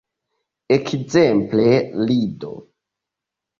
Ekzemple, rido.